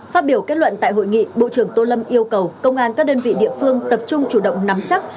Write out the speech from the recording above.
phát biểu kết luận tại hội nghị bộ trưởng tô lâm yêu cầu công an các đơn vị địa phương tập trung chủ động nắm chắc